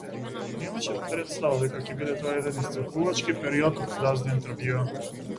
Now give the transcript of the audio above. Немаше претстава дека ќе биде тоа еден исцрпувачки период од празни интервјуа.